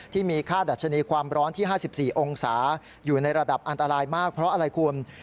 ที่มีค่าดัชนีความร้อนที่๕๔องศาอยู่ในระดับอันตรายมากเพราะอะไรคุณ